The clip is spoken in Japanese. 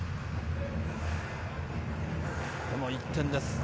この１点です。